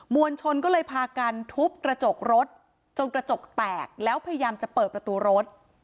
วลชนก็เลยพากันทุบกระจกรถจนกระจกแตกแล้วพยายามจะเปิดประตูรถ